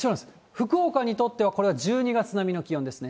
福岡にとっては、これは１２月並みの気温ですね。